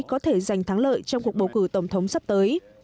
có thể giành thắng lợi trong cuộc bầu cử tổng thống sắp tới